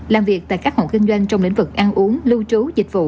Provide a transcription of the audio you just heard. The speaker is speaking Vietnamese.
làm việc tại các hộ kinh doanh trong lĩnh vực ăn uống lưu trú dịch vụ